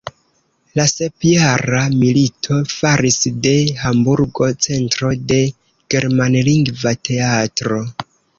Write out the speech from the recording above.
La Sepjara milito faris de Hamburgo centro de germanlingva teatro.